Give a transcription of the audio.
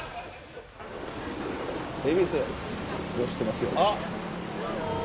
恵比寿、よう知ってますよ。